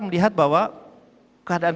melihat bahwa keadaan